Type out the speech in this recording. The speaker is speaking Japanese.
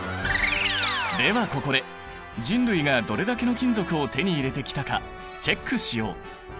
ではここで人類がどれだけの金属を手に入れてきたかチェックしよう！